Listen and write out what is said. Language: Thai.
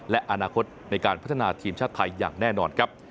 และอนาคตในการพัฒนาทีมชาติไทยอย่างแน่นอนครับ